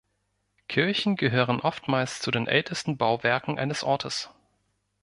Kirchen gehören oftmals zu den ältesten Bauwerken eines Ortes.